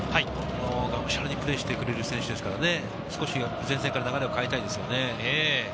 アグレッシブにプレーしてくれる選手ですからね、前線から流れを変えたいですね。